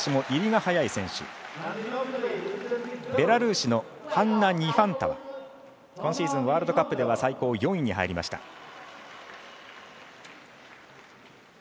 今シーズン、ワールドカップでは最高４位に入りました。